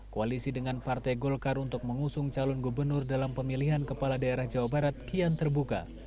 koalisi dengan partai golkar untuk mengusung calon gubernur dalam pemilihan kepala daerah jawa barat kian terbuka